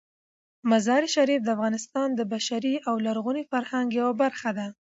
مزارشریف د افغانستان د بشري او لرغوني فرهنګ یوه برخه ده.